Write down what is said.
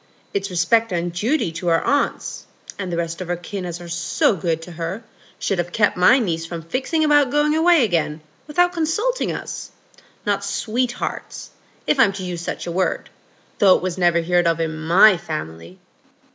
It's respect and duty to her aunts, and the rest of her kin as are so good to her, should have kept my niece from fixing about going away again without consulting us; not sweethearts, if I'm to use such a word, though it was never heared in my family."